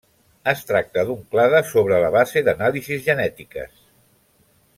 Es tracta d'un clade sobre la base d'anàlisis genètiques.